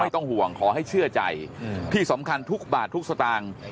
ต้องห่วงขอให้เชื่อใจที่สำคัญทุกบาททุกสตางค์